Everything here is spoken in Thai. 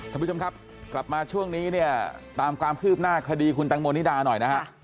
ท่านผู้ชมครับกลับมาช่วงนี้เนี่ยตามความคืบหน้าคดีคุณแตงโมนิดาหน่อยนะฮะ